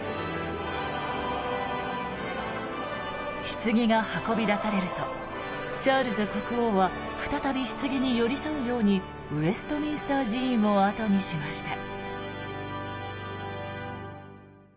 ひつぎが運び出されるとチャールズ国王は再びひつぎに寄り添うようにウェストミンスター寺院を後にしました。